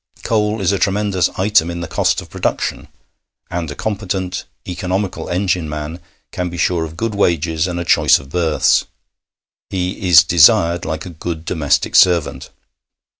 Coal is a tremendous item in the cost of production, and a competent, economical engine man can be sure of good wages and a choice of berths; he is desired like a good domestic servant.